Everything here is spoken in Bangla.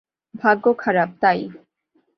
ভাগ্য খারাপ তাই।